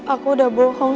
aku udah bohong